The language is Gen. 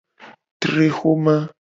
Tre xoma.